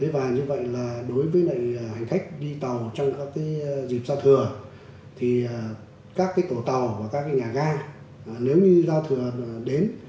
và như vậy là đối với hành khách đi tàu trong các dịp giao thừa thì các tổ tàu và các nhà ga nếu như giao thừa đến